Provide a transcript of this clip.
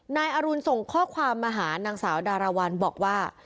นายอรุณส่งข้อความมาหานางสาวดารวรรณบอกว่า